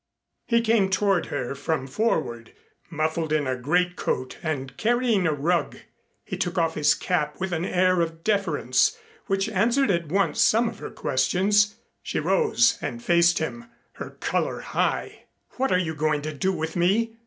He came toward her from forward, muffled in a greatcoat, and carrying a rug. He took off his cap with an air of deference, which answered at once some of her questions. She rose and faced him, her color high. "What are you going to do with me?"